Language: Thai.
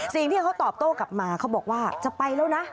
สิ่งที่เขาตอบโต้กลับมาเขาบอกว่าจะไปแล้วนะ